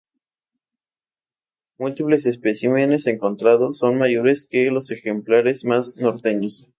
Múltiples especímenes encontrados son mayores que los ejemplares más norteños.